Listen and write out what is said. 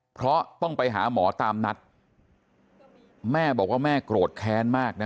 เพราะต้องไปหาหมอตามนัดแม่บอกว่าแม่โกรธแค้นมากนะ